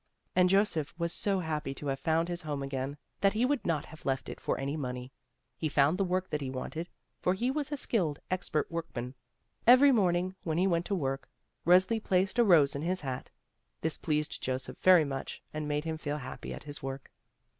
And Joseph was so happy to have found his home again, that he would not have left it for any money. He foimd the work that he wanted, for he was a skilled, expert workman. Every morning, when he went to work, Resli placed a rose in his hat. This pleased Joseph very much, and made him feel happy at his work.